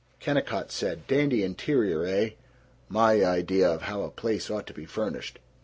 Kennicott said, "Dandy interior, eh? My idea of how a place ought to be furnished.